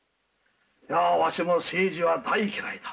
いやわしも政治は大嫌いだ。